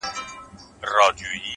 ستا د تصور تصوير كي بيا يوه اوونۍ جگړه،